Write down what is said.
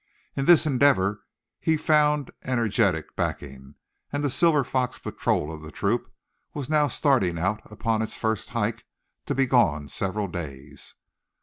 In this endeavor he had found energetic backing; and the Silver Fox Patrol of the troop was now starting out upon its first hike, to be gone several days.